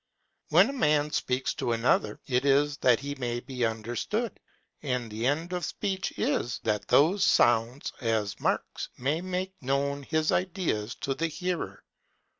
When a man speaks to another, it is that he may be understood: and the end of speech is, that those sounds, as marks, may make known his ideas to the hearer.